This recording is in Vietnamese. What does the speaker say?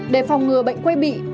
để phòng ngừa bệnh quay bị